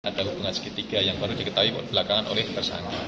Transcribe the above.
ada hubungan segitiga yang baru diketahui belakangan oleh tersangka